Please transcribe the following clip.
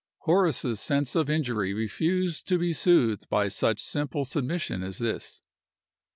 Horace's sense of injury refused to be soothed by such simple submission as this.